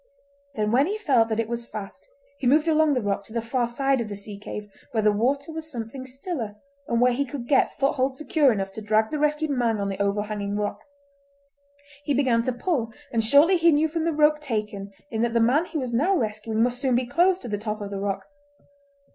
Then when he felt that it was fast he moved along the rock to the far side of the sea cave, where the deep water was something stiller, and where he could get foothold secure enough to drag the rescued man on the overhanging rock. He began to pull, and shortly he knew from the rope taken in that the man he was now rescuing must soon be close to the top of the rock.